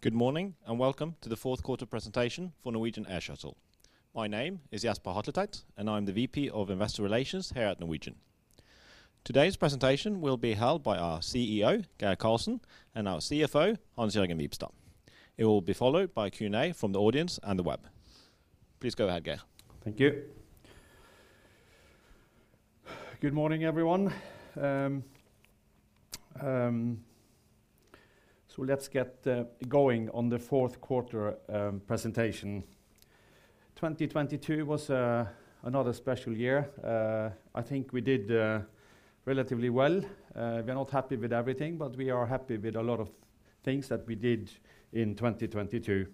Good morning, welcome to the fourth quarter presentation for Norwegian Air Shuttle. My name is Jesper Hatletveit, and I'm the VP of Investor Relations here at Norwegian. Today's presentation will be held by our CEO, Geir Karlsen, and our CFO, Hans-Jørgen Wibstad. It will be followed by Q&A from the audience and the web. Please go ahead, Geir. Thank you. Good morning, everyone. Let's get going on the fourth quarter presentation. 2022 was another special year. I think we did relatively well. We're not happy with everything, but we are happy with a lot of things that we did in 2022.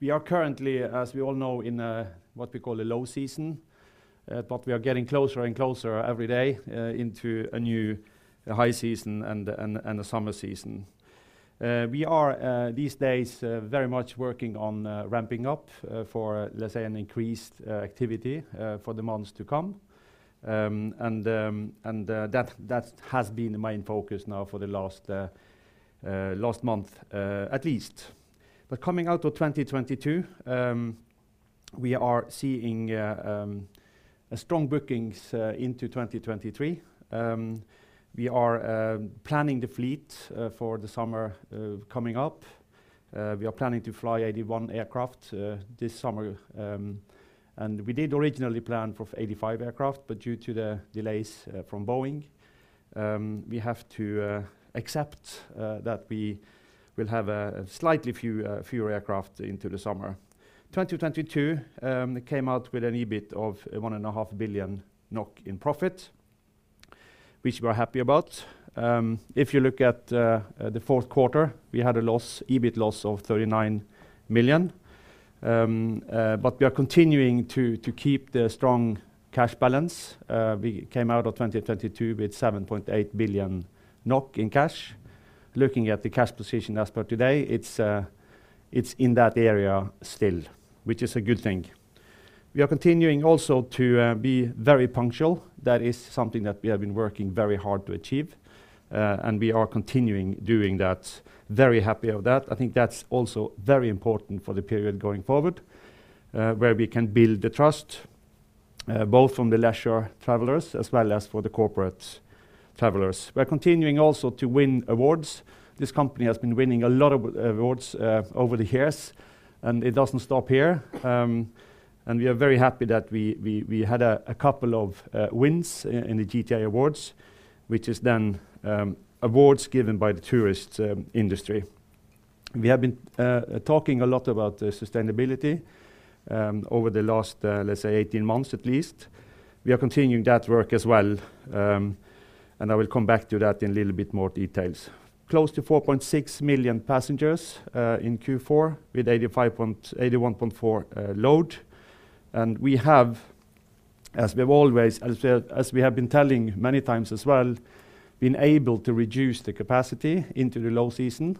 We are currently, as we all know, in what we call a low season, but we are getting closer and closer every day into a new high season and a summer season. We are these days very much working on ramping up for, let's say, an increased activity for the months to come. That has been the main focus now for the last month, at least. Coming out of 2022, we are seeing strong bookings into 2023. We are planning the fleet for the summer coming up. We are planning to fly 81 aircraft this summer, and we did originally plan for 85 aircraft, but due to the delays from Boeing, we have to accept that we will have slightly fewer aircraft into the summer. 2022 came out with an EBIT of one and a 0.5 billion NOK in profit, which we're happy about. If you look at the fourth quarter, we had a loss, EBIT loss of 39 million. We are continuing to keep the strong cash balance. We came out of 2022 with 7.8 billion NOK in cash. Looking at the cash position as per today, it's in that area still, which is a good thing. We are continuing also to be very punctual. That is something that we have been working very hard to achieve, and we are continuing doing that. Very happy of that. I think that's also very important for the period going forward, where we can build the trust, both from the leisure travelers as well as for the corporate travelers. We're continuing also to win awards. This company has been winning a lot of awards over the years, and it doesn't stop here. We are very happy that we had a couple of wins in the GTA Awards, which is then, awards given by the tourist industry. We have been talking a lot about the sustainability over the last, let's say 18 months at least. We are continuing that work as well. I will come back to that in a little bit more details. Close to 4.6 million passengers in Q4 with 81.4 load. We have, as we've always, as we have been telling many times as well, been able to reduce the capacity into the low season.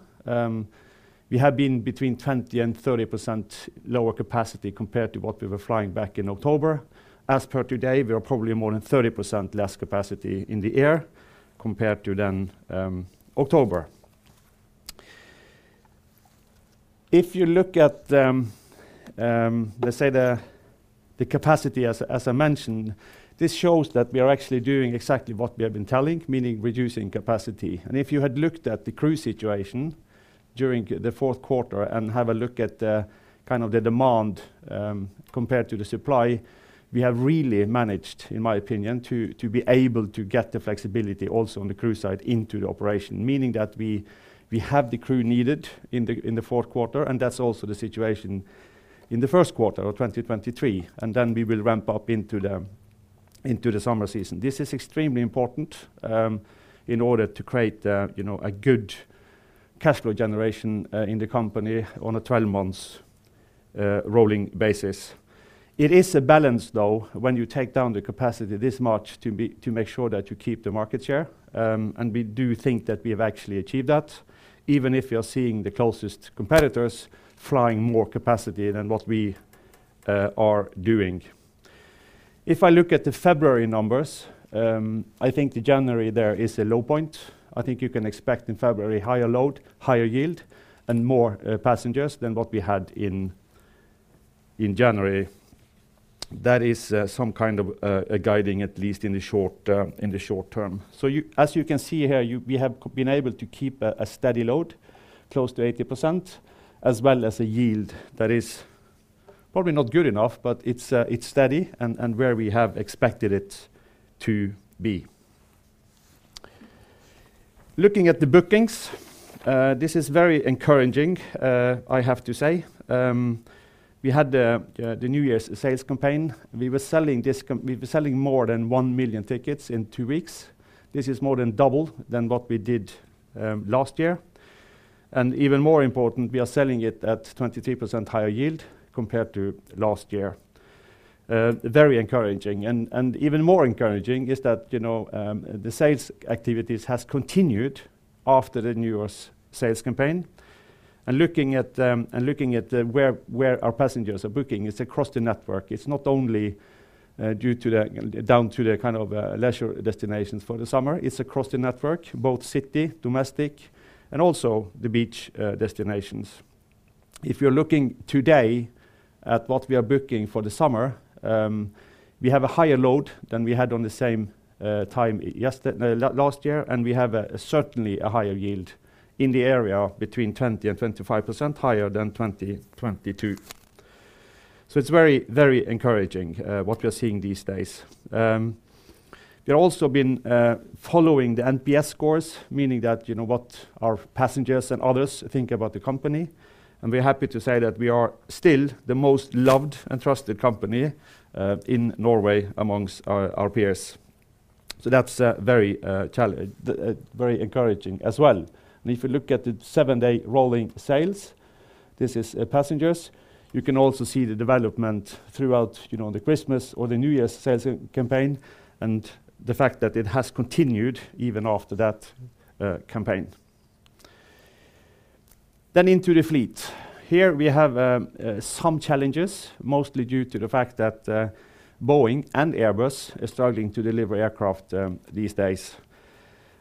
We have been between 20% and 30% lower capacity compared to what we were flying back in October. As per today, we are probably more than 30% less capacity in the air compared to then, October. If you look at, let's say the capacity as I mentioned, this shows that we are actually doing exactly what we have been telling, meaning reducing capacity. If you had looked at the crew situation during the fourth quarter and have a look at the kind of the demand, compared to the supply, we have really managed, in my opinion, to be able to get the flexibility also on the crew side into the operation. Meaning that we have the crew needed in the, in the fourth quarter, and that's also the situation in the first quarter of 2023, and then we will ramp up into the, into the summer season. This is extremely important, in order to create, you know, a good cash flow generation, in the company on a 12 months rolling basis. It is a balance, though, when you take down the capacity this much to make sure that you keep the market share. We do think that we have actually achieved that, even if you're seeing the closest competitors flying more capacity than what we are doing. If I look at the February numbers, I think the January there is a low point. I think you can expect in February higher load, higher yield, and more passengers than what we had in January. That is some kind of guiding at least in the short in the short term. As you can see here, we have been able to keep a steady load, close to 80%, as well as a yield that is probably not good enough, but it's steady and where we have expected it to be. Looking at the bookings, this is very encouraging, I have to say. We had the New Year's sales campaign. We were selling more than 1 million tickets in two weeks. This is more than double than what we did last year. Even more important, we are selling it at 23% higher yield compared to last year. Very encouraging. Even more encouraging is that, you know, the sales activities has continued after the New Year's sales campaign. Looking at where our passengers are booking, it's across the network. It's not only down to the kind of leisure destinations for the summer. It's across the network, both city, domestic, and also the beach destinations. If you're looking today at what we are booking for the summer, we have a higher load than we had on the same time last year, and we have a, certainly a higher yield in the area of between 20% and 25% higher than 2022. It's very, very encouraging what we are seeing these days. We're also been following the NPS scores, meaning that, you know, what our passengers and others think about the company, and we're happy to say that we are still the most loved and trusted company in Norway amongst our peers. That's very encouraging as well. If you look at the 7-day rolling sales, this is passengers. You can also see the development throughout, you know, the Christmas or the New Year's sales campaign and the fact that it has continued even after that campaign. Into the fleet. Here we have some challenges, mostly due to the fact that Boeing and Airbus are struggling to deliver aircraft these days.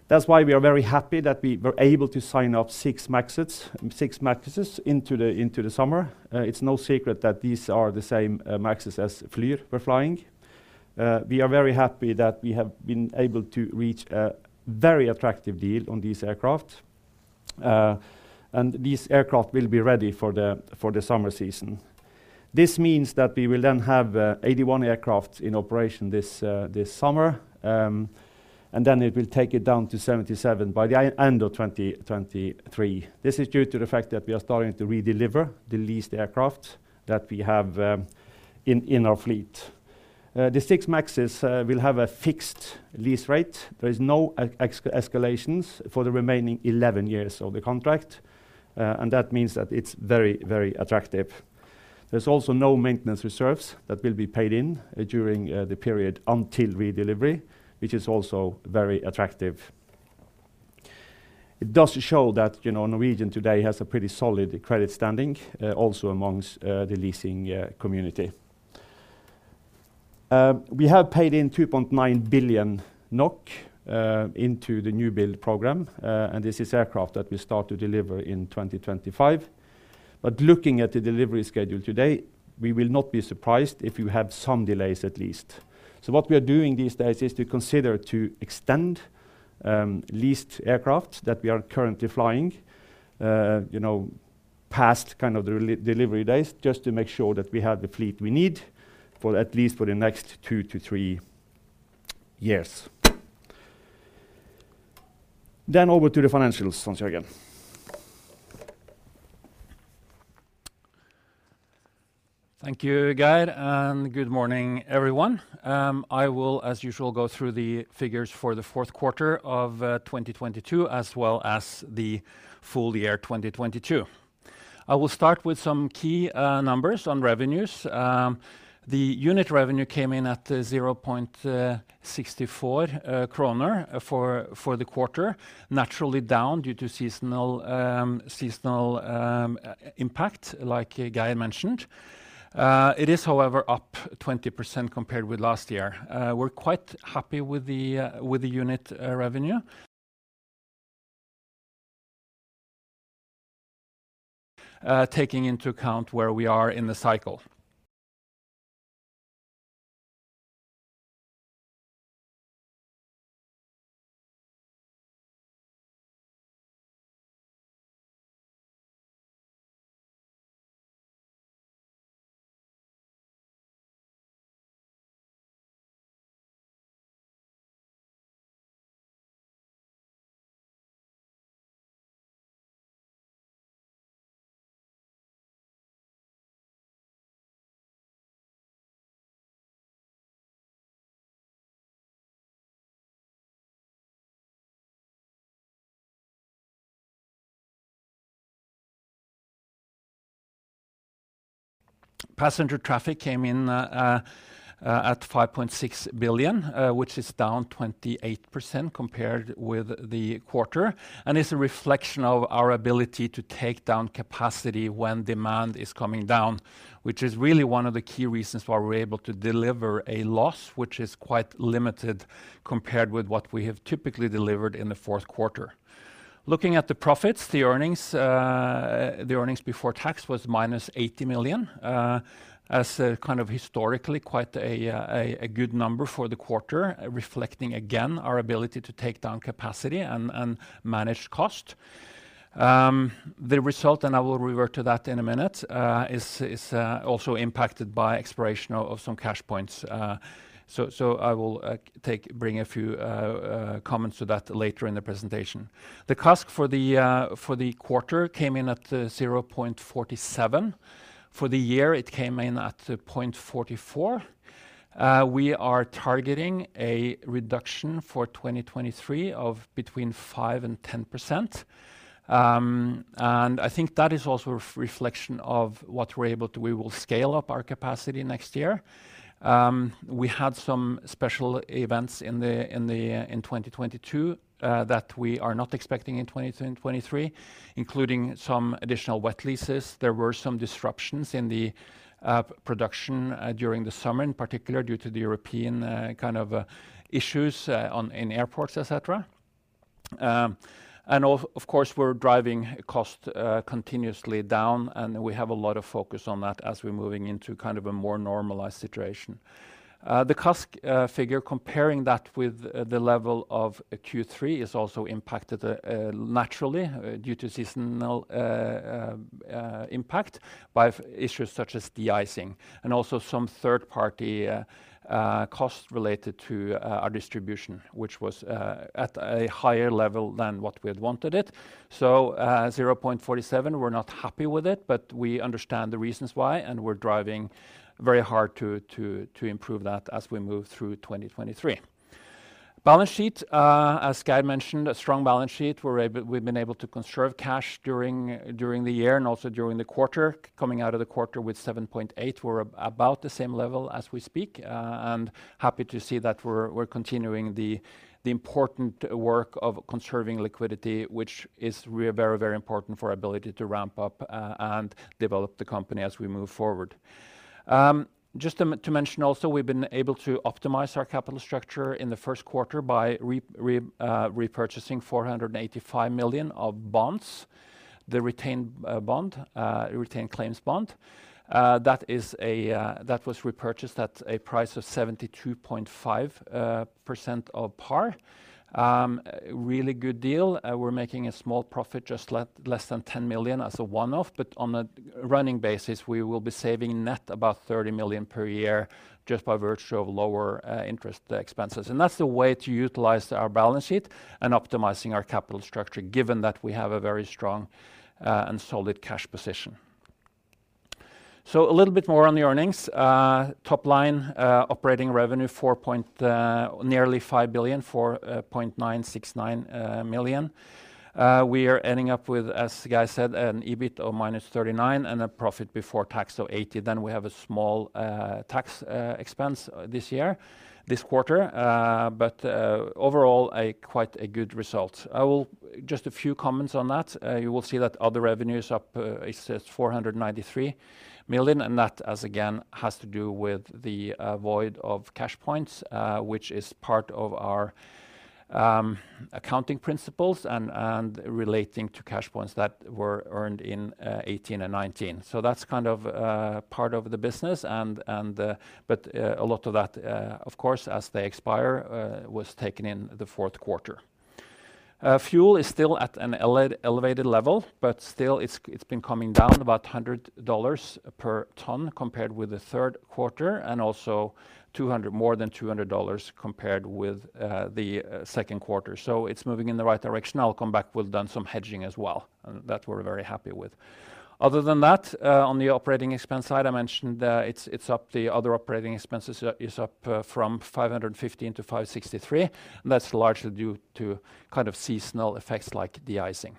That's why we are very happy that we were able to sign up 6 MAXes into the summer. It's no secret that these are the same MAXes as Flyr were flying. We are very happy that we have been able to reach a very attractive deal on these aircraft. These aircraft will be ready for the summer season. This means that we will then have 81 aircraft in operation this summer. Then it will take it down to 77 by the end of 2023. This is due to the fact that we are starting to redeliver the leased aircraft that we have in our fleet. The 6 MAXes will have a fixed lease rate. There is no escalations for the remaining 11 years of the contract. That means that it's very, very attractive. There's also no maintenance reserves that will be paid in during the period until redelivery, which is also very attractive. It does show that, you know, Norwegian today has a pretty solid credit standing also amongst the leasing community. We have paid in 2.9 billion NOK into the new build program, and this is aircraft that we start to deliver in 2025. Looking at the delivery schedule today, we will not be surprised if you have some delays at least. What we are doing these days is to consider to extend leased aircraft that we are currently flying, you know, past kind of the re-delivery days, just to make sure that we have the fleet we need for at least for the next two to three years. Over to the financials, Hans-Jørgen. Thank you, Geir. Good morning, everyone. I will, as usual, go through the figures for the fourth quarter of 2022, as well as the full year 2022. I will start with some key numbers on revenues. The unit revenue came in at 0.64 kroner for the quarter, naturally down due to seasonal impact, like Geir mentioned. It is however up 20% compared with last year. We're quite happy with the unit revenue, taking into account where we are in the cycle. Passenger traffic came in at 5.6 billion, which is down 28% compared with the quarter, is a reflection of our ability to take down capacity when demand is coming down, which is really one of the key reasons why we're able to deliver a loss, which is quite limited compared with what we have typically delivered in the fourth quarter. Looking at the profits, the earnings, the earnings before tax was minus 80 million, as kind of historically quite a good number for the quarter, reflecting again our ability to take down capacity and manage cost. The result, and I will revert to that in a minute, is also impacted by exploration of some CashPoints. I will bring a few comments to that later in the presentation. The CASK for the for the quarter came in at 0.47. For the year, it came in at 0.44. We are targeting a reduction for 2023 of between 5% and 10%. I think that is also a reflection of what we're able to. We will scale up our capacity next year. We had some special events in the in 2022 that we are not expecting in 2023, including some additional wet leases. There were some disruptions in the production during the summer, in particular, due to the European kind of issues on in airports, et cetera. Of course, we're driving cost continuously down, and we have a lot of focus on that as we're moving into kind of a more normalized situation. The CASK figure, comparing that with the level of Q3 is also impacted naturally due to seasonal impact by issues such as de-icing and also some third-party costs related to our distribution, which was at a higher level than what we had wanted it. 0.47, we're not happy with it, but we understand the reasons why, and we're driving very hard to improve that as we move through 2023. Balance sheet. As Geir mentioned, a strong balance sheet. We've been able to conserve cash during the year and also during the quarter, coming out of the quarter with 7.8. We're about the same level as we speak. Happy to see that we're continuing the important work of conserving liquidity, which is very important for our ability to ramp up and develop the company as we move forward. Just to mention also, we've been able to optimize our capital structure in the first quarter by repurchasing 485 million of bonds, the retained bond, retained claims bond. That is a... That was repurchased at a price of 72.5% of par. Really good deal. We're making a small profit, just less than 10 million as a one-off, but on a running basis, we will be saving net about 30 million per year just by virtue of lower interest expenses. That's the way to utilize our balance sheet and optimizing our capital structure, given that we have a very strong and solid cash position. A little bit more on the earnings. Top line, operating revenue, 4 point, nearly 5 billion, 4.969 million. We are ending up with, as Geir said, an EBIT of minus 39 and a profit before tax of 80. We have a small tax expense this year, this quarter. Overall, a quite a good result. Just a few comments on that. You will see that other revenue is up, it says 493 million, and that, as again, has to do with the void of CashPoints, which is part of our accounting principles and relating to CashPoints that were earned in 2018 and 2019. That's kind of part of the business, but a lot of that, of course, as they expire, was taken in the fourth quarter. Fuel is still at an elevated level, but still it's been coming down about $100 per ton compared with the third quarter and also $200, more than $200 compared with the second quarter. It's moving in the right direction. I'll come back. We've done some hedging as well, and that we're very happy with. Other than that, on the operating expense side, I mentioned, it's up. The other operating expenses is up from 515-563. That's largely due to kind of seasonal effects like de-icing.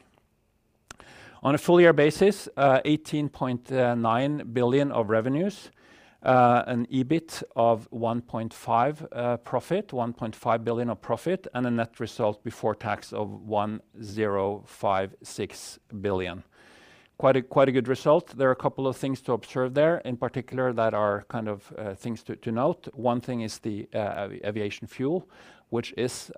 On a full year basis, 18.9 billion of revenues, an EBIT of 1.5 billion of profit, and a net result before tax of 1.056 billion. Quite a good result. There are a couple of things to observe there, in particular, that are kind of things to note. One thing is the aviation fuel, which is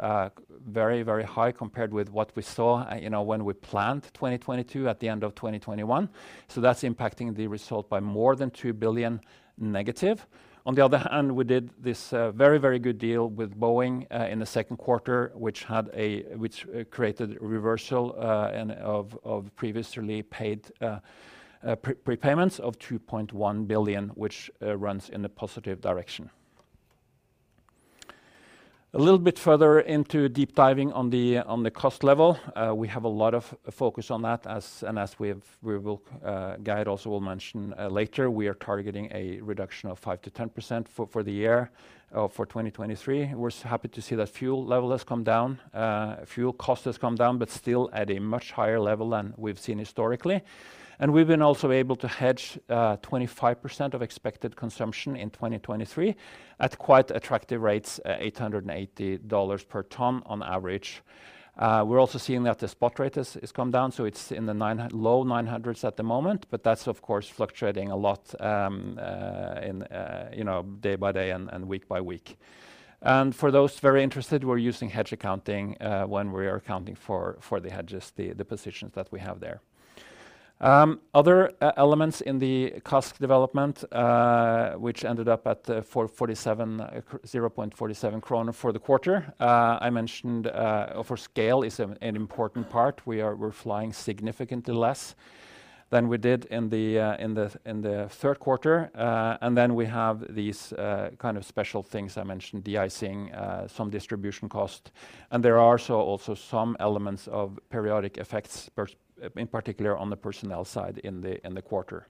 very, very high compared with what we saw, you know, when we planned 2022 at the end of 2021. That's impacting the result by more than 2 billion negative. On the other hand, we did this very, very good deal with Boeing in the second quarter, which created reversal of previously paid prepayments of 2.1 billion, which runs in the positive direction. A little bit further into deep diving on the cost level. We have a lot of focus on that as we will guide also we'll mention later, we are targeting a reduction of 5%-10% for the year, for 2023. We're happy to see that fuel level has come down. Fuel cost has come down, but still at a much higher level than we've seen historically. We've been also able to hedge 25% of expected consumption in 2023 at quite attractive rates, $880 per ton on average. We're also seeing that the spot rate has come down, so it's in the low 900s at the moment, but that's of course fluctuating a lot, you know, day by day and week by week. For those very interested, we're using hedge accounting when we are accounting for the hedges, the positions that we have there. Other elements in the CASK development, which ended up at 0.47 kroner for the quarter, I mentioned for scale is an important part. We're flying significantly less than we did in the third quarter. And then we have these kind of special things I mentioned, de-icing, some distribution cost, and there are so also some elements of periodic effects in particular on the personnel side in the quarter.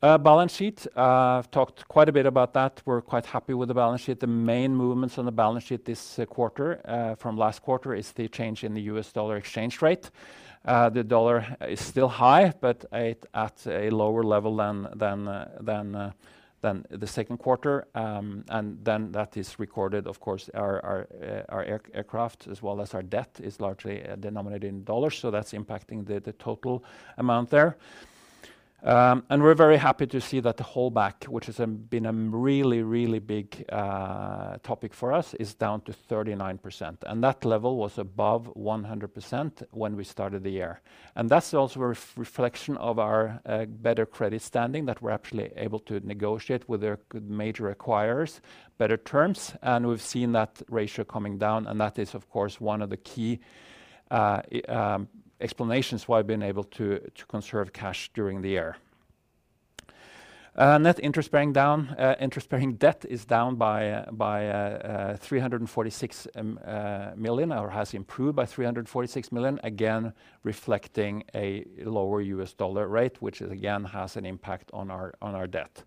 Balance sheet. I've talked quite a bit about that. We're quite happy with the balance sheet. The main movements on the balance sheet this quarter from last quarter is the change in the US dollar exchange rate. The dollar is still high, but at a lower level than the second quarter. That is recorded, of course, our aircraft as well as our debt is largely denominated in dollars, so that's impacting the total amount there. We're very happy to see that the holdback, which has been a really, really big topic for us, is down to 39%, and that level was above 100% when we started the year. That's also a reflection of our better credit standing, that we're actually able to negotiate with our major acquirers better terms, and we've seen that ratio coming down, and that is, of course, one of the key explanations why we've been able to conserve cash during the year. Net interest-bearing debt is down by 346 million, or has improved by 346 million, again, reflecting a lower U.S. dollar rate, which again has an impact on our debt.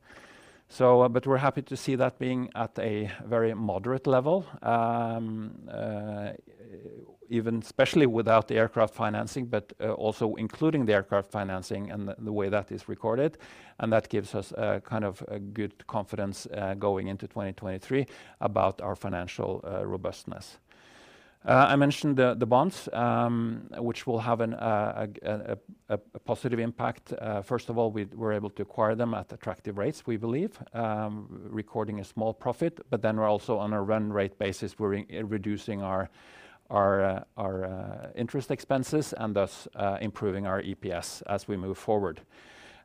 But we're happy to see that being at a very moderate level, even especially without the aircraft financing, but also including the aircraft financing and the way that is recorded. That gives us kind of a good confidence going into 2023 about our financial robustness. I mentioned the bonds, which will have a positive impact. First of all, we're able to acquire them at attractive rates, we believe, recording a small profit. We're also on a run rate basis, we're re-reducing our interest expenses and thus improving our EPS as we move forward.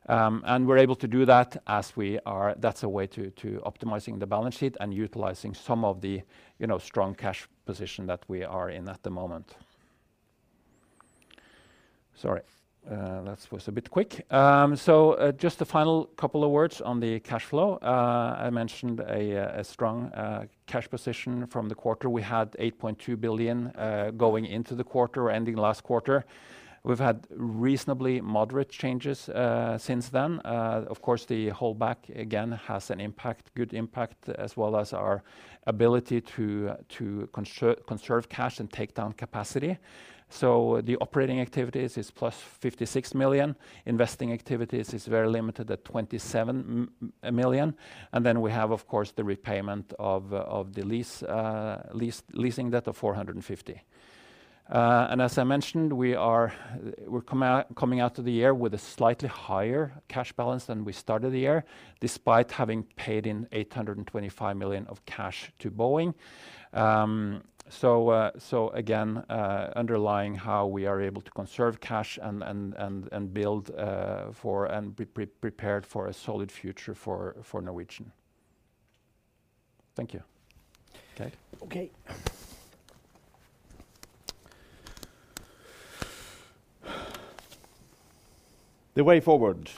We're able to do that as we are. That's a way to optimizing the balance sheet and utilizing some of the, you know, strong cash position that we are in at the moment. Sorry, that was a bit quick. Just a final couple of words on the cash flow. I mentioned a strong cash position from the quarter. We had 8.2 billion going into the quarter, ending last quarter. We've had reasonably moderate changes since then. Of course, the holdback again has an impact, good impact, as well as our ability to conserve cash and take down capacity. The operating activities is plus 56 million. Investing activities is very limited at 27 million. We have, of course, the repayment of the leasing debt of 450. As I mentioned, we are coming out of the year with a slightly higher cash balance than we started the year, despite having paid in 825 million of cash to Boeing. Again, underlying how we are able to conserve cash and build for and be pre-prepared for a solid future for Norwegian. Thank you. Geir? Okay. The way forward.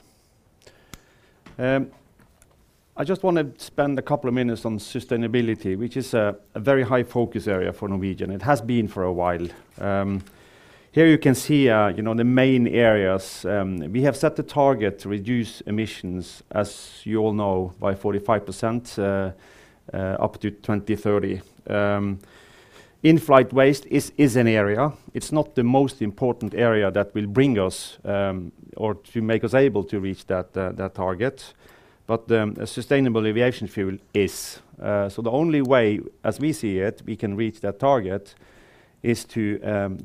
I just want to spend a couple of minutes on sustainability, which is a very high focus area for Norwegian. It has been for a while. Here you can see, you know, the main areas. We have set a target to reduce emissions, as you all know, by 45%, up to 2030. In-flight waste is an area. It's not the most important area that will bring us, or to make us able to reach that target, but a sustainable aviation fuel is. The only way, as we see it, we can reach that target is to,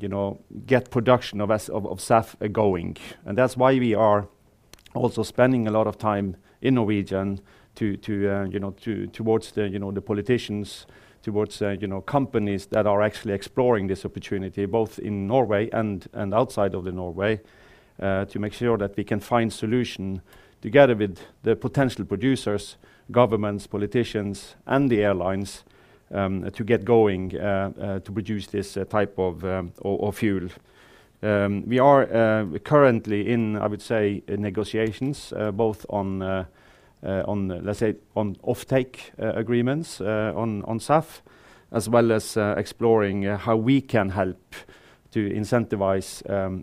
you know, get production of SAF going. That's why we are also spending a lot of time in Norwegian to, you know, towards the, you know, politicians, towards, you know, companies that are actually exploring this opportunity, both in Norway and outside of Norway, to make sure that we can find solution together with the potential producers, governments, politicians, and the airlines, to get going to produce this type of fuel. We are currently in, I would say, negotiations, both on, let's say, on offtake agreements, on SAF, as well as exploring how we can help to incentivize,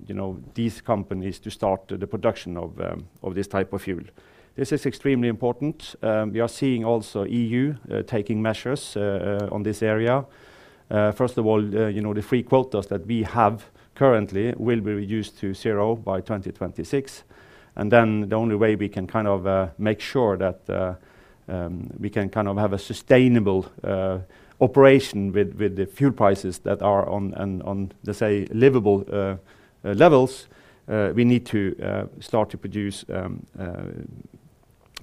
you know, these companies to start the production of this type of fuel. This is extremely important. We are seeing also EU taking measures on this area. First of all, you know, the free quotas that we have currently will be reduced to zero by 2026. The only way we can kind of make sure that we can kind of have a sustainable operation with the fuel prices that are on let's say, livable levels, we need to start to produce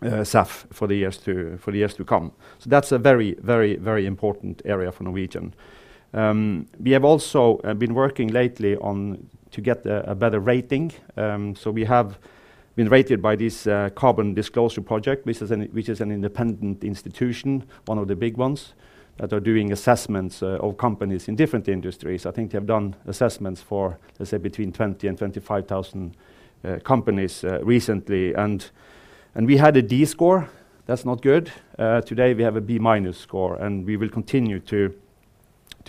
SAF for the years to come. That's a very, very, very important area for Norwegian. We have also been working lately on to get a better rating. We have been rated by this Carbon Disclosure Project, which is an independent institution, one of the big ones, that are doing assessments of companies in different industries. I think they have done assessments for, let's say, between 20 and 25,000 companies recently. We had a D score. That's not good. Today we have a B-minus score, and we will continue to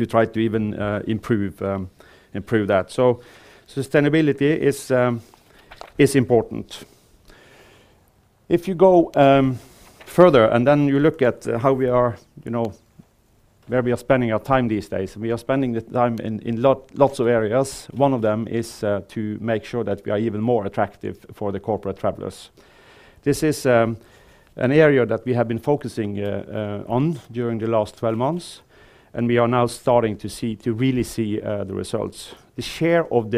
try to even improve that. Sustainability is important. If you go further, and then you look at how we are, you know, where we are spending our time these days, we are spending the time in lots of areas. One of them is to make sure that we are even more attractive for the corporate travelers. This is an area that we have been focusing on during the last 12 months, and we are now starting to see, to really see the results. The share of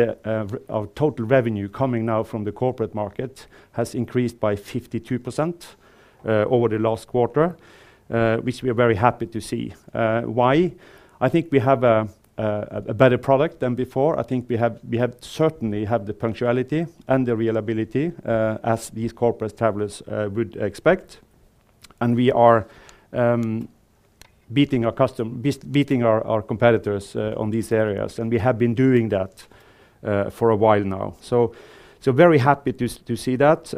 total revenue coming now from the corporate market has increased by 52% over the last quarter, which we are very happy to see. Why? I think we have a better product than before. I think we certainly have the punctuality and the reliability as these corporate travelers would expect. We are beating our competitors on these areas, and we have been doing that for a while now. Very happy to see that.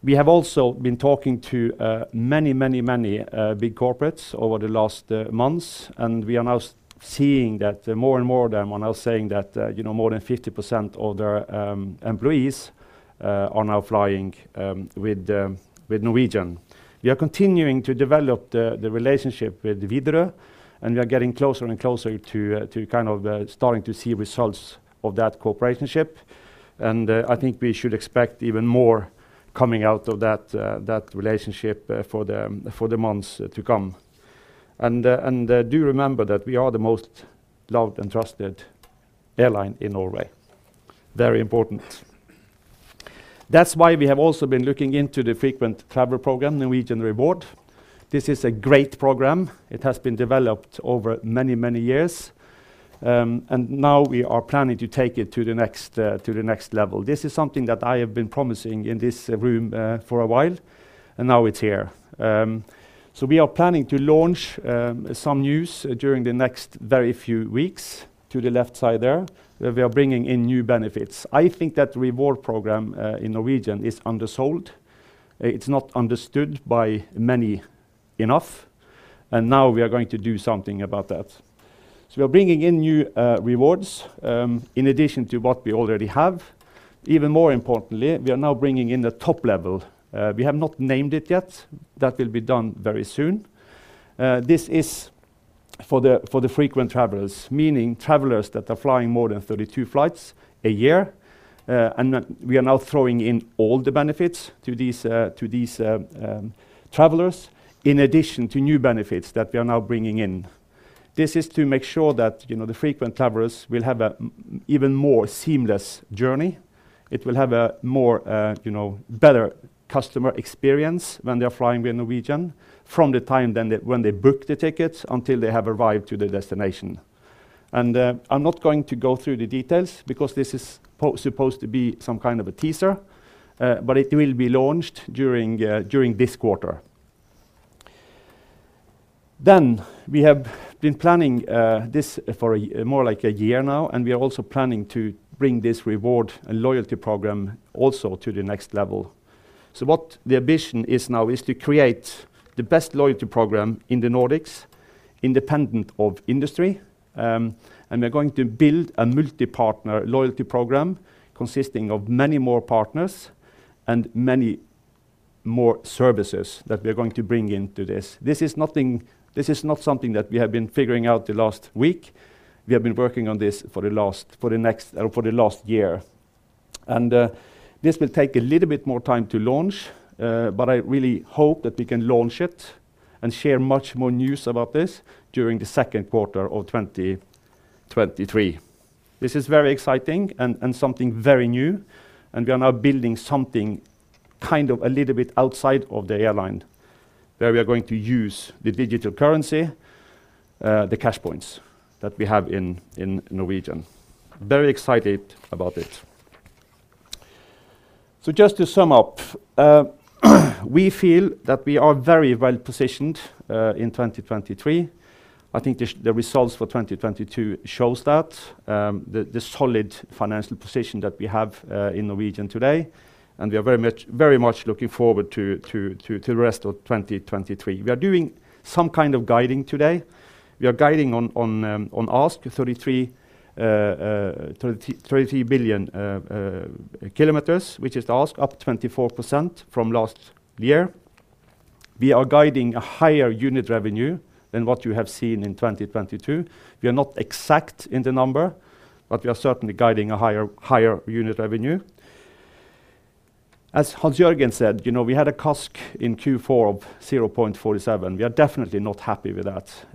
We have also been talking to many, many, many big corporates over the last months, and we are now seeing that more and more of them are now saying that more than 50% of their employees are now flying with Norwegian. We are continuing to develop the relationship with Widerøe, and we are getting closer and closer to kind of starting to see results of that cooperatorship. I think we should expect even more coming out of that relationship for the months to come. Do remember that we are the most loved and trusted airline in Norway. Very important. That's why we have also been looking into the frequent traveler program, Norwegian Reward. This is a great program. It has been developed over many, many years, and now we are planning to take it to the next to the next level. This is something that I have been promising in this room for a while, and now it's here. We are planning to launch some news during the next very few weeks to the left side there, where we are bringing in new benefits. I think that reward program in Norwegian is undersold. It's not understood by many enough, and now we are going to do something about that. We are bringing in new rewards in addition to what we already have. Even more importantly, we are now bringing in the top level. We have not named it yet. That will be done very soon. This is for the, for the frequent travelers, meaning travelers that are flying more than 32 flights a year. We are now throwing in all the benefits to these, to these travelers in addition to new benefits that we are now bringing in. This is to make sure that, you know, the frequent travelers will have a even more seamless journey. It will have a more, you know, better customer experience when they are flying with Norwegian from the time when they book the tickets until they have arrived to their destination. I'm not going to go through the details because this is supposed to be some kind of a teaser, but it will be launched during this quarter. We have been planning this for more like a year now. We are also planning to bring this reward and loyalty program also to the next level. What the ambition is now is to create the best loyalty program in the Nordics, independent of industry. We're going to build a multi-partner loyalty program consisting of many more partners and many more services that we are going to bring into this. This is not something that we have been figuring out the last week. We have been working on this for the last year. This will take a little bit more time to launch, but I really hope that we can launch it and share much more news about this during the second quarter of 2023. This is very exciting and something very new, we are now building something kind of a little bit outside of the airline where we are going to use the digital currency, the CashPoints that we have in Norwegian. Very excited about it. Just to sum up, we feel that we are very well positioned in 2023. I think the results for 2022 shows that the solid financial position that we have in Norwegian today, we are very much looking forward to the rest of 2023. We are doing some kind of guiding today. We are guiding on ASK 33 billion kilometers, which is the ASK up 24% from last year. We are guiding a higher unit revenue than what you have seen in 2022. We are not exact in the number, but we are certainly guiding a higher unit revenue. As Hans Jørgen said, you know, we had a CASK in Q4 of 0.47. We are definitely not happy with that.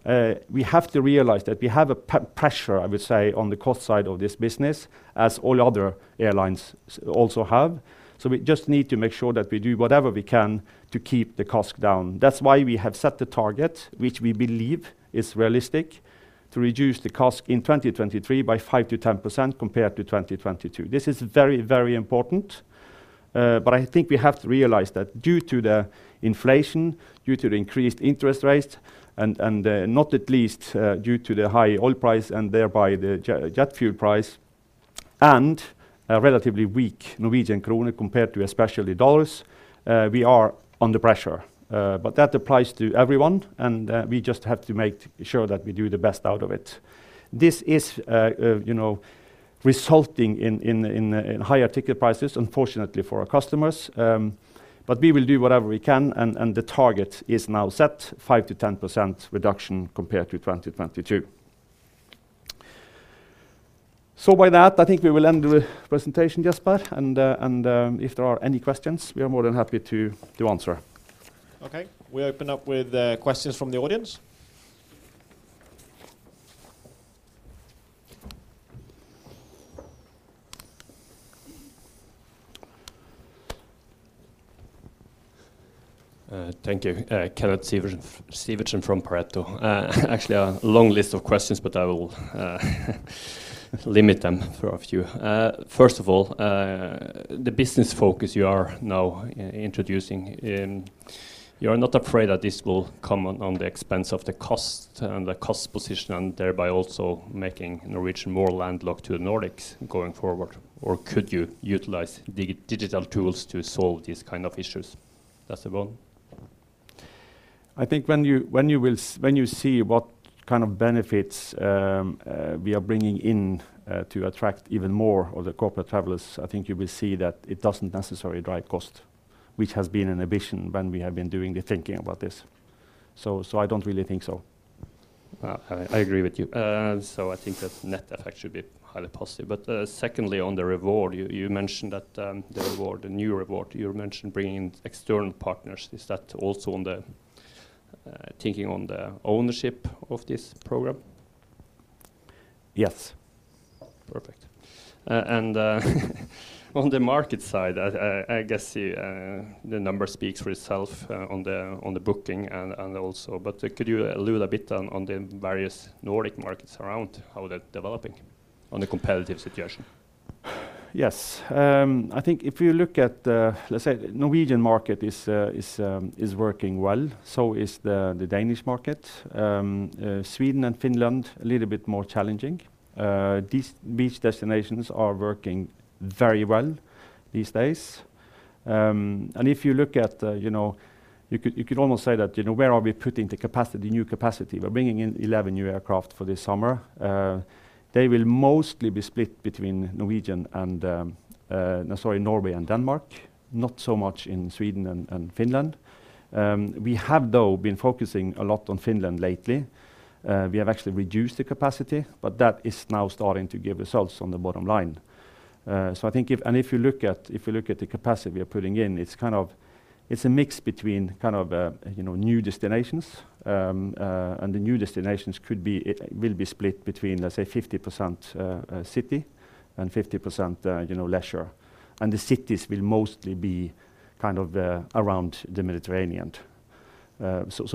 We have to realize that we have pressure, I would say, on the cost side of this business as all other airlines also have. We just need to make sure that we do whatever we can to keep the CASK down. That's why we have set the target, which we believe is realistic, to reduce the CASK in 2023 by 5%-10% compared to 2022. This is very, very important, but I think we have to realize that due to the inflation, due to the increased interest rates, and not at least, due to the high oil price and thereby the jet fuel price. A relatively weak Norwegian krone compared to especially dollars, we are under pressure. That applies to everyone, and we just have to make sure that we do the best out of it. This is, you know, resulting in higher ticket prices, unfortunately for our customers. But we will do whatever we can, and the target is now set 5%-10% reduction compared to 2022. By that, I think we will end the presentation, Jesper. If there are any questions, we are more than happy to answer. We open up with questions from the audience. Thank you. Kenneth Sivertsen from Pareto. Actually, a long list of questions, but I will limit them for a few. First of all, the business focus you are now introducing in, you are not afraid that this will come on the expense of the cost and the cost position and thereby also making Norwegian more landlocked to the Nordics going forward? Could you utilize digital tools to solve these kind of issues possible? I think when you, when you see what kind of benefits, we are bringing in, to attract even more of the corporate travelers, I think you will see that it doesn't necessarily drive cost, which has been an ambition when we have been doing the thinking about this. I don't really think so. I agree with you. I think that net effect should be highly positive. Secondly, on the new reward, you mentioned that, you mentioned bringing in external partners. Is that also on the thinking on the ownership of this program? Yes. Perfect. On the market side, I guess the number speaks for itself on the booking and also. Could you allude a bit on the various Nordic markets around how they're developing on the competitive situation? I think if you look at, let's say Norwegian market is working well, so is the Danish market. Sweden and Finland, a little bit more challenging. Beach destinations are working very well these days. If you look at, you know, you could, you could almost say that, you know, where are we putting the capacity, new capacity? We're bringing in 11 new aircraft for this summer. They will mostly be split between Norwegian and, no, sorry, Norway and Denmark, not so much in Sweden and Finland. We have, though, been focusing a lot on Finland lately. We have actually reduced the capacity, that is now starting to give results on the bottom line. I think if you look at, if you look at the capacity we are putting in, it's kind of, it's a mix between kind of, you know, new destinations. The new destinations will be split between, let's say, 50%, city and 50%, you know, leisure. The cities will mostly be kind of, around the Mediterranean.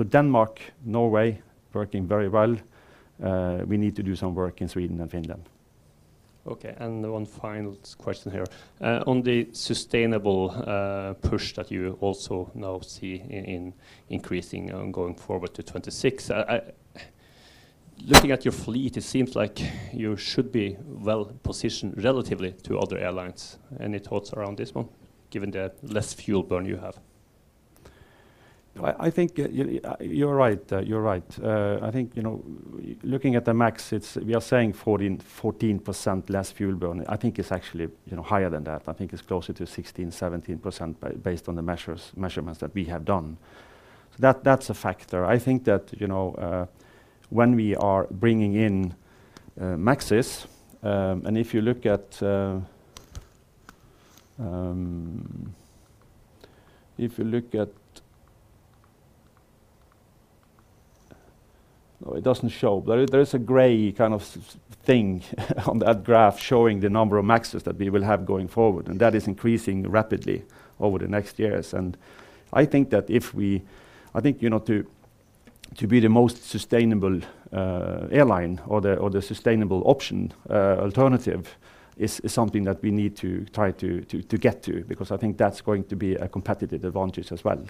Denmark, Norway working very well. We need to do some work in Sweden and Finland. Okay, one final question here. On the sustainable push that you also now see in increasing and going forward to 2026, looking at your fleet, it seems like you should be well-positioned relatively to other airlines. Any thoughts around this one, given the less fuel burn you have? I think you're right. You're right. I think, you know, looking at the MAX, we are saying 14% less fuel burn. I think it's actually, you know, higher than that. I think it's closer to 16-17% based on the measurements that we have done. That's a factor. I think that, you know, when we are bringing in MAXes, and if you look at... No, it doesn't show, but there is a gray kind of thing on that graph showing the number of MAXes that we will have going forward, and that is increasing rapidly over the next years. I think, you know, to be the most sustainable airline or the or the sustainable option alternative is something that we need to try to get to because I think that's going to be a competitive advantage as well.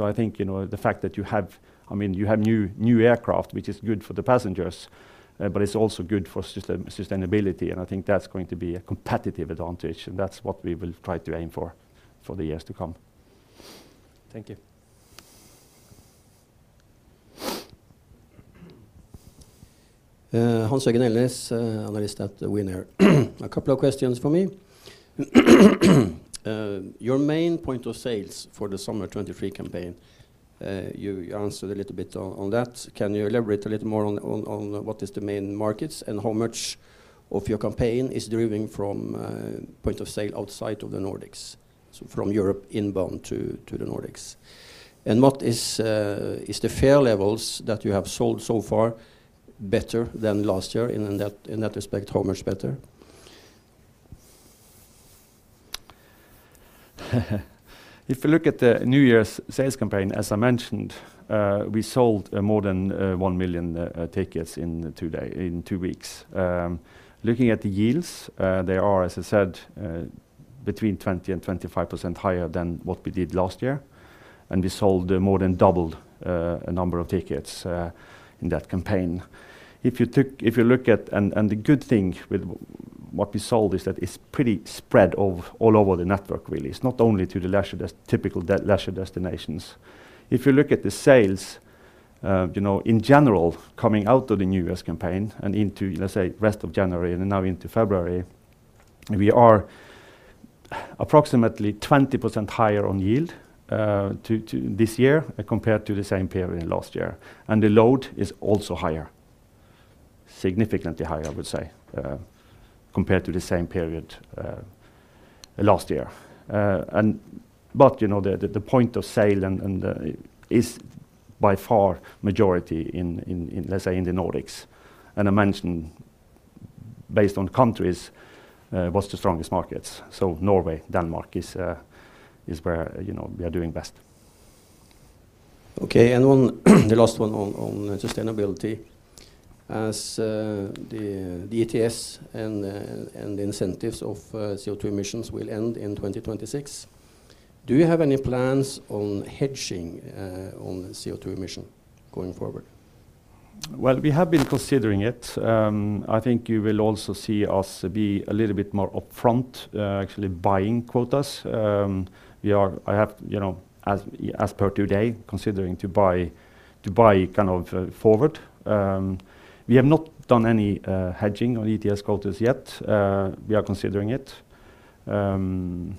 I think, you know, the fact that you have, I mean, you have new aircraft, which is good for the passengers, but it's also good for sustainability, and I think that's going to be a competitive advantage, and that's what we will try to aim for for the years to come. Thank you. Hans Jørgen Elnæs, analyst at WINAIR AS. A couple of questions from me. Your main point of sale for the summer 2023 campaign, you answered a little bit on that. Can you elaborate a little more on what is the main markets and how much of your campaign is deriving from point of sale outside of the Nordics, so from Europe inbound to the Nordics? What is the fare levels that you have sold so far better than last year? In that respect, how much better? If you look at the New Year's sales campaign, as I mentioned, we sold more than 1 million tickets in two weeks. Looking at the yields, they are, as I said, Between 20% and 25% higher than what we did last year, and we sold more than double number of tickets in that campaign. If you look at... The good thing with what we sold is that it's pretty spread all over the network really. It's not only to the leisure destinations. If you look at the sales, you know, in general coming out of the New Year's campaign and into, let's say, rest of January and now into February, we are approximately 20% higher on yield this year compared to the same period last year, and the load is also higher, significantly higher, I would say, compared to the same period last year. You know, the point of sale and is by far majority in, let's say, in the Nordics. I mentioned based on countries, what's the strongest markets, Norway, Denmark is where, you know, we are doing best. Okay. The last one on sustainability. As the ETS and the incentives of CO2 emissions will end in 2026, do you have any plans on hedging on CO2 emission going forward? Well, we have been considering it. I think you will also see us be a little bit more upfront, actually buying quotas. I have, you know, as per today, considering to buy kind of forward. We have not done any hedging on ETS quotas yet. We are considering it. We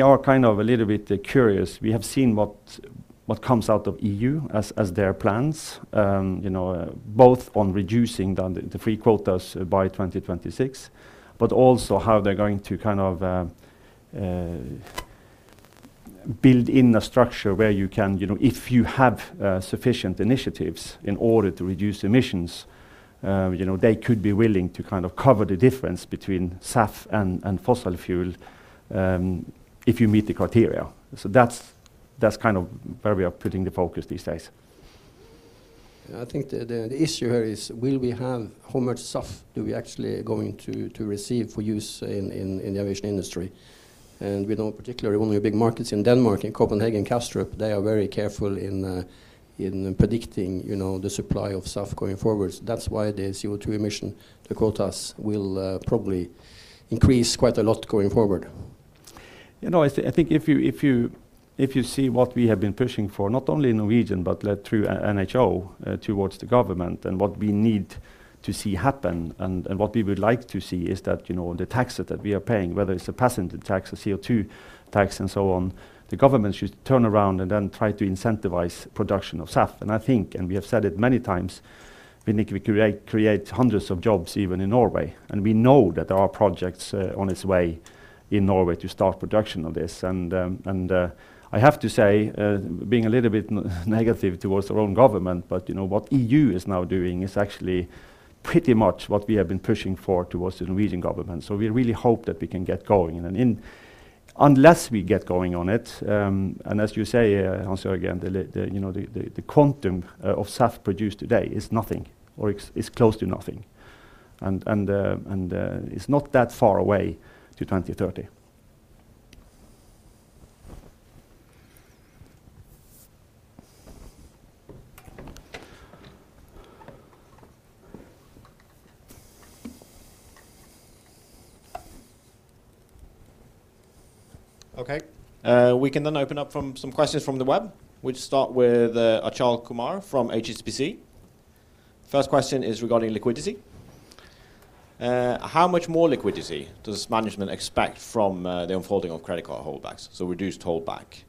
are kind of a little bit curious. We have seen what comes out of EU as their plans, you know, both on reducing the free quotas by 2026, but also how they're going to kind of build in a structure where you can, you know, if you have sufficient initiatives in order to reduce emissions, you know, they could be willing to kind of cover the difference between SAF and fossil fuel, if you meet the criteria. That's kind of where we are putting the focus these days. I think the issue here is how much SAF do we actually going to receive for use in the aviation industry? We know particularly one of your big markets in Denmark, in Copenhagen, Kastrup, they are very careful in predicting, you know, the supply of SAF going forward. That's why the CO2 emission, the quotas will probably increase quite a lot going forward. You know, I think if you see what we have been pushing for, not only in Norwegian but led through NHO towards the government and what we need to see happen and what we would like to see is that, you know, the taxes that we are paying, whether it's a passenger tax, a CO2 tax and so on, the government should turn around and then try to incentivize production of SAF. I think, and we have said it many times, we need to create hundreds of jobs even in Norway, and we know that there are projects on its way in Norway to start production of this. I have to say, being a little bit negative towards our own government, but, you know, what EU is now doing is actually pretty much what we have been pushing for towards the Norwegian government. We really hope that we can get going. Unless we get going on it, and as you say, Hans Jørgen, the, you know, the quantum of SAF produced today is nothing or is close to nothing and it's not that far away to 2030. We can open up from some questions from the web. We'll start with Achal Kumar from HSBC. First question is regarding liquidity. How much more liquidity does management expect from the unfolding of credit card holdbacks, so reduced holdback?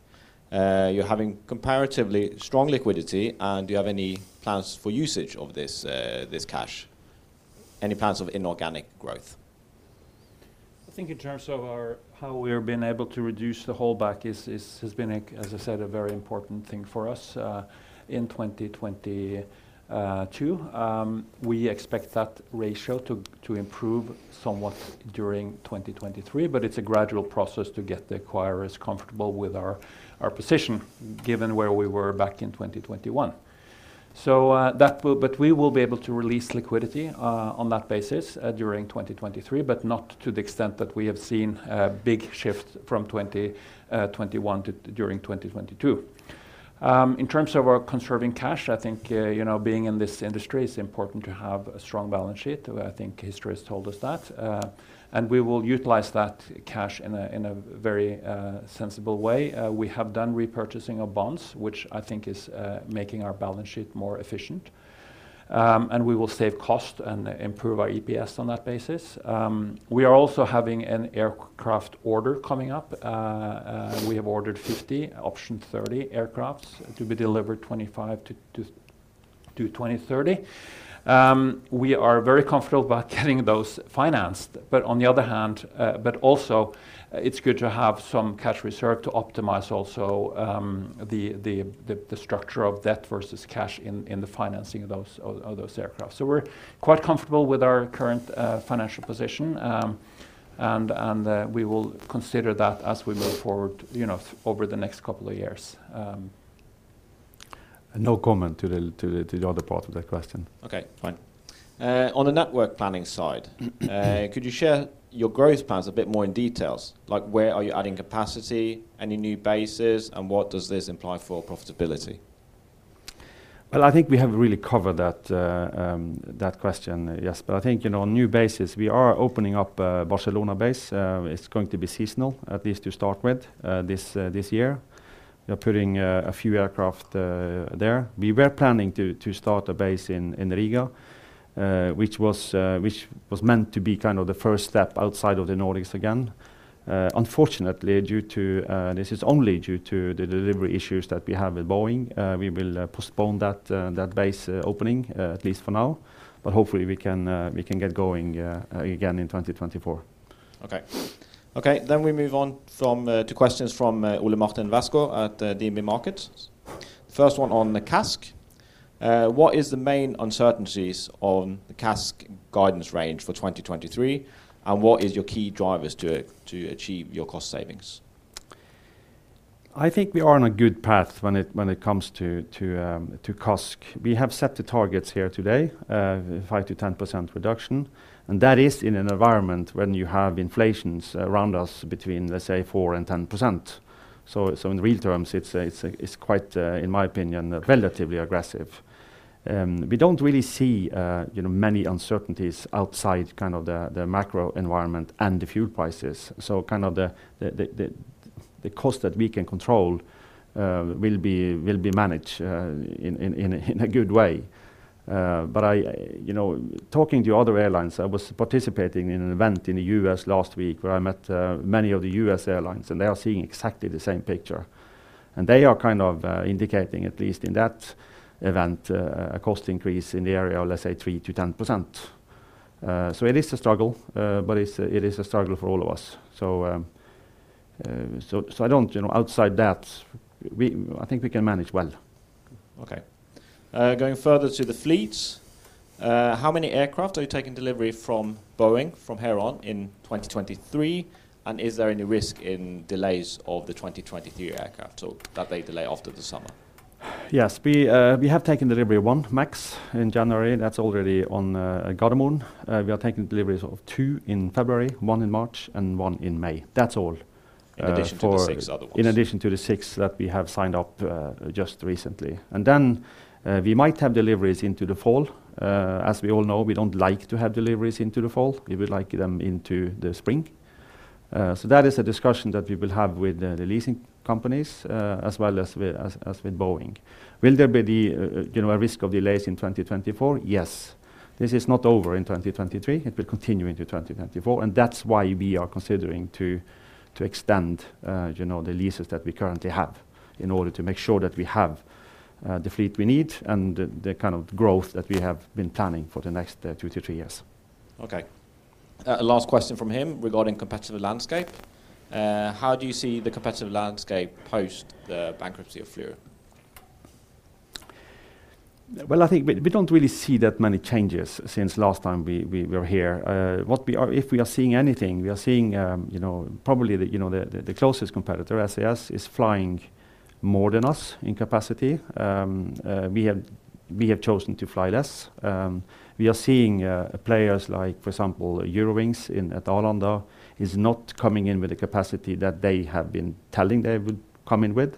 You're having comparatively strong liquidity, and do you have any plans for usage of this cash? Any plans of inorganic growth? In terms of how we have been able to reduce the holdback has been, as I said, a very important thing for us in 2022. We expect that ratio to improve somewhat during 2023, it's a gradual process to get the acquirers comfortable with our position given where we were back in 2021. We will be able to release liquidity on that basis during 2023, not to the extent that we have seen a big shift from 2021 to during 2022. In terms of our conserving cash, you know, being in this industry, it's important to have a strong balance sheet. History has told us that. We will utilize that cash in a very sensible way. We have done repurchasing of bonds, which I think is making our balance sheet more efficient. We will save cost and improve our EPS on that basis. We are also having an aircraft order coming up. We have ordered 50, option 30 aircrafts to be delivered 2025-2030. We are very comfortable about getting those financed. On the other hand, but also it's good to have some cash reserved to optimize also the structure of debt versus cash in the financing of those aircrafts. We're quite comfortable with our current financial position. We will consider that as we move forward, you know, over the next couple of years. No comment to the other part of that question. Okay, fine. On the network planning, could you share your growth plans a bit more in details, like where are you adding capacity, any new bases, and what does this imply for profitability? I think we have really covered that question, yes. I think, you know, new bases, we are opening up a Barcelona base. It's going to be seasonal, at least to start with, this year. We are putting a few aircraft there. We were planning to start a base in Riga, which was meant to be kind of the first step outside of the Nordics again. Unfortunately, due to this is only due to the delivery issues that we have with Boeing, we will postpone that base opening at least for now. Hopefully we can get going again in 2024. Okay. Okay, we move on from to questions from Ole Martin Westgaard at DNB Markets. First one on the CASK. What is the main uncertainties on the CASK guidance range for 2023, and what is your key drivers to achieve your cost savings? I think we are on a good path when it comes to CASK. We have set the targets here today, 5%-10% reduction, and that is in an environment when you have inflations around us between, let's say, 4% and 10%. In real terms, it's quite, in my opinion, relatively aggressive. We don't really see, you know, many uncertainties outside kind of the macro environment and the fuel prices, so kind of the cost that we can control, will be managed in a good way. I, you know, talking to other airlines, I was participating in an event in the U.S. last week where I met many of the U.S. airlines, and they are seeing exactly the same picture. They are kind of, indicating, at least in that event, a cost increase in the area of, let's say, 3%-10%. It is a struggle, but it is a struggle for all of us. I don't, you know, outside that, we, I think we can manage well. Okay. Going further to the fleets, how many aircraft are you taking delivery from Boeing from here on in 2023, and is there any risk in delays of the 2023 aircraft, so that they delay after the summer? Yes. We, we have taken delivery of 1 MAX in January. That's already on Gardermoen. We are taking deliveries of 2 in February, 1 in March, and 1 in May. That's all. In addition to the six other ones. In addition to the six that we have signed up just recently. Then, we might have deliveries into the fall. As we all know, we don't like to have deliveries into the fall. We would like them into the spring. That is a discussion that we will have with the leasing companies, as well as with Boeing. Will there be the, you know, a risk of delays in 2024? Yes. This is not over in 2023. It will continue into 2024, and that's why we are considering to extend, you know, the leases that we currently have in order to make sure that we have the fleet we need and the kind of growth that we have been planning for the next two to three years. Okay. Last question from him regarding competitive landscape. How do you see the competitive landscape post the bankruptcy of Flyr? Well, I think we don't really see that many changes since last time we were here. What if we are seeing anything, we are seeing, you know, probably the, you know, the closest competitor, SAS, is flying more than us in capacity. We have chosen to fly less. We are seeing players like, for example, Eurowings in, at Arlanda, is not coming in with the capacity that they have been telling they would come in with.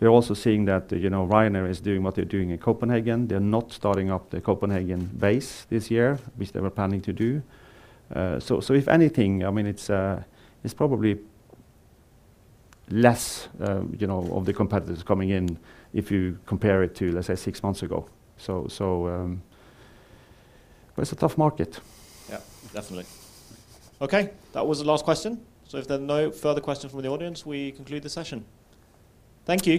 We're also seeing that, you know, Ryanair is doing what they're doing in Copenhagen. They're not starting up the Copenhagen base this year, which they were planning to do. If anything, I mean, it's probably less, you know, of the competitors coming in if you compare it to, let's say, six months ago. It's a tough market. Yeah, definitely. Okay, that was the last question, so if there are no further questions from the audience, we conclude the session. Thank you.